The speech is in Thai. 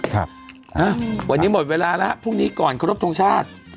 ครับวันนี้หมดเวลาแล้วพรุ่งนี้ก่อนครบทรงชาติ